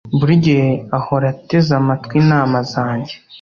Buri gihe ahora ateze amatwi inama zanjye.